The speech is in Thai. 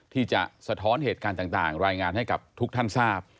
สะท้อนเหตุการณ์ต่างรายงานให้กับทุกท่านทราบ